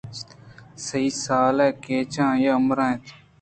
سی سال ءِ کّچ آئی ءِ عمر اِنت